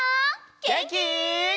げんき？